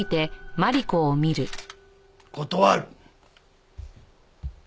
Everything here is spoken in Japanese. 断る。